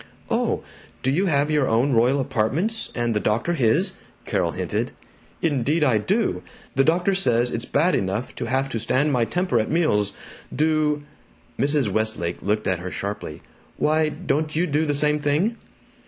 "Oh, do you have your own royal apartments, and the doctor his?" Carol hinted. "Indeed I do! The doctor says it's bad enough to have to stand my temper at meals. Do " Mrs. Westlake looked at her sharply. "Why, don't you do the same thing?"